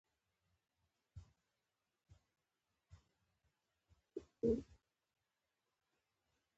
د بخش اباد بند په فراه کې دی